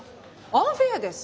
アンフェアです。